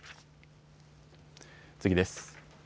次です。